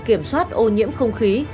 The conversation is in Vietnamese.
kiểm soát ô nhiễm không khí